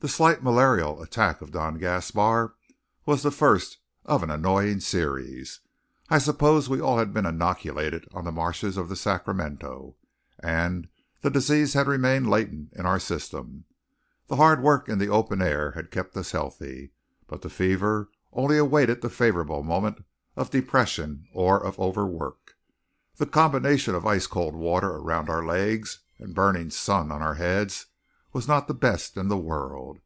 The slight malarial attack of Don Gaspar was the first of an annoying series. I suppose we had all been inoculated on the marshes of the Sacramento, and the disease had remained latent in our systems. The hard work in the open air had kept us healthy; but the fever only awaited the favourable moment of depression or of overwork. The combination of ice cold water around our legs and burning sun on our heads was not the best in the world.